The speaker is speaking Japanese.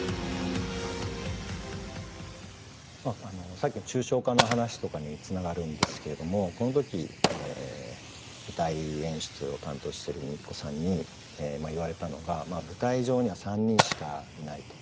さっきの抽象化の話とかにつながるんですけれどもこの時舞台演出を担当してるＭＩＫＩＫＯさんに言われたのが舞台上には３人しかいないと。